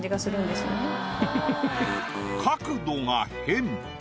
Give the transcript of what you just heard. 角度が変。